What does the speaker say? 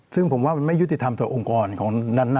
ซึ่งผมว่ามันไม่ยุติธรรมต่อองค์กรของนั้นนะ